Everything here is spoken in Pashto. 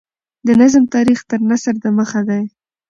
د نظم تاریخ تر نثر دمخه دﺉ.